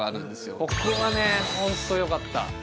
ここはねホントよかった